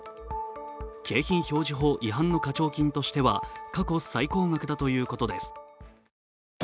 景品表示法違反の課徴金としては過去最高額だということです。